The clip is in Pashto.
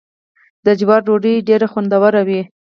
د جوارو ډوډۍ ډیره خوندوره وي.